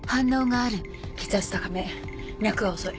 血圧高め脈は遅い。